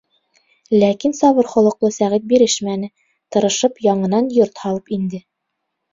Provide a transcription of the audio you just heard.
Ләкин сабыр холоҡло Сәғит бирешмәне, тырышып, яңынан йорт һалып инде.